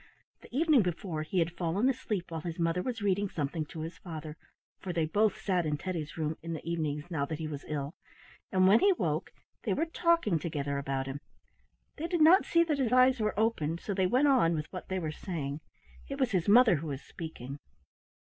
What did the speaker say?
The evening before he had fallen asleep while his mother was reading something to his father (for they both sat in Teddy's room in the evenings now that he was ill), and when he woke they were talking together about him. They did not see that his eyes were open, so they went on with what they were saying. It was his mother who was speaking.